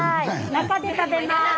中で食べます。